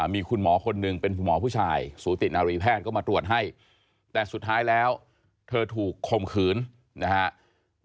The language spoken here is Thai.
มีคุณหมอคนหนึ่งเป็นคุณหมอผู้ชายสูตินารีแพทย์ก็มาตรวจให้แต่สุดท้ายแล้วเธอถูกคมขืนนะครับ